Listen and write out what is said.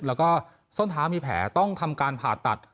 แล้วก็ส้นเท้ามีแผลต้องทำการผ่าตัด